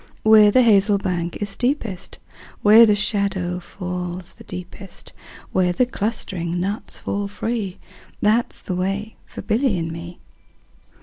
Where the hazel bank is steepest, Where the shadow falls the deepest, Where the clustering nuts fall free, 15 That 's the way for Billy and me.